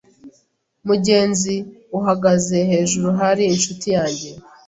Mugenzi uhagaze hejuru hari inshuti yanjye.